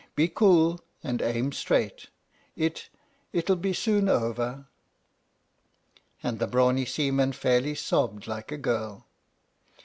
Be cool and aim straight. It — it'll be soon over! " And the brawny seaman fairly sobbed like a girl.